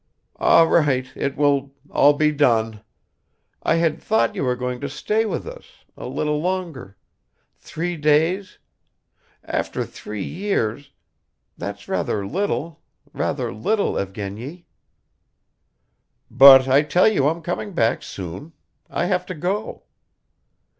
"All right, it will all be done. I had thought you were going to stay with us ... a little longer. Three days ... after three years. .. that's rather little, rather little, Evgeny." "But I tell you I'm coming back soon. I have to go."